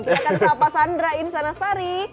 saya akan sapa sandra insanasari